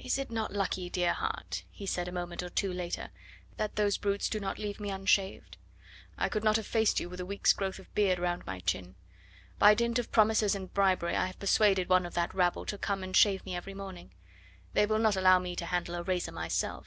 "Is it not lucky, dear heart," he said a moment or two later, "that those brutes do not leave me unshaved? I could not have faced you with a week's growth of beard round my chin. By dint of promises and bribery I have persuaded one of that rabble to come and shave me every morning. They will not allow me to handle a razor my self.